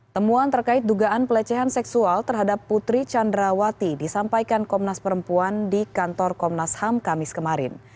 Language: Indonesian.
temuan terkait dugaan pelecehan seksual terhadap putri candrawati disampaikan komnas perempuan di kantor komnas ham kamis kemarin